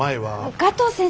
加藤先生